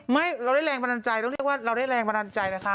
ไม่เราได้แรงบันดาลใจต้องเรียกว่าเราได้แรงบันดาลใจนะคะ